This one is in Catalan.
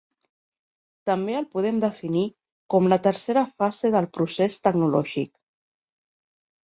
També el podem definir com la tercera fase del procés tecnològic.